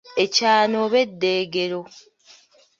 Ekyano oba eddeegero.